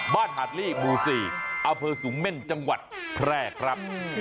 หาดลี่หมู่๔อำเภอสูงเม่นจังหวัดแพร่ครับ